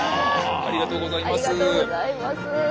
ありがとうございます。